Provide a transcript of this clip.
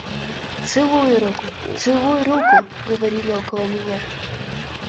«Целуй руку, целуй руку!» – говорили около меня.